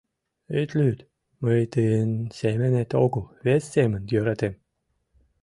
— Ит лӱд, мый тыйын семынет огыл, вес семын йӧратем.